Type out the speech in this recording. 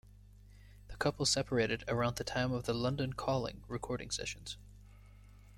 The couple separated around the time of the "London Calling" recording sessions.